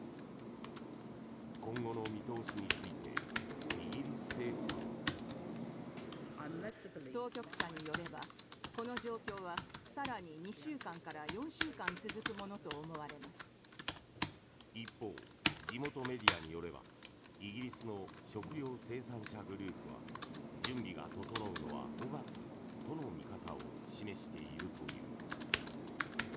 今後の見通しについてイギリス政府は。一方、地元メディアによればイギリスの食料生産者グループは準備が整うのは５月との見方を示しているという。